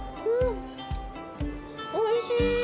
おいしい！